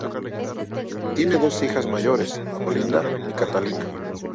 Tiene dos hijas mayores Olinda y Catalina.